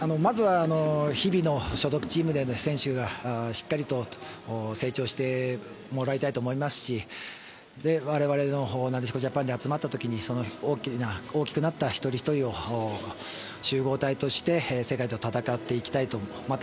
日々の所属チームでしっかりと成長してもらいたいと思いますし、我々のなでしこジャパンで集まったときに、大きくなった一人一人を集合体として世界と戦っていきたい。